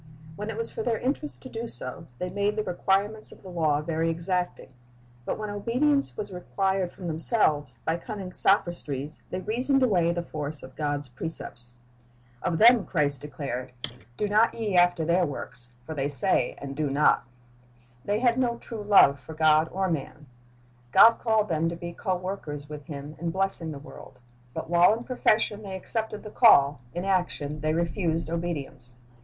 When it was for their interest to do so, they made the requirements of the law very exacting; but when obedience was required from them selves, by cunning sophistries they reasoned away the force of God's precepts. Of them Christ declared, "Do not ye .S" ay i ng and Doing 279 after their works; for they say, and do not."^ They had no true love for God or man. God called them to be co workers with Him in blessing the world; but while in profession they accepted the call, in action they refused obedience.